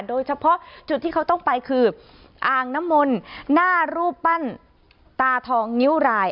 โดยเฉพาะจุดที่เขาต้องไปคืออ่างน้ำมนต์หน้ารูปปั้นตาทองนิ้วราย